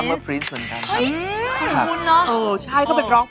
คือเป็นนักร้องด้วย